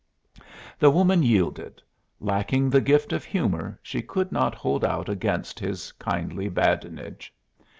The woman yielded: lacking the gift of humor she could not hold out against his kindly badinage.